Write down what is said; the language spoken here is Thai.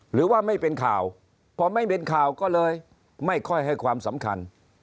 หรือว่าไม่เป็นข่าวพอไม่เป็นข่าวก็เลยไม่ค่อยให้ความสำคัญ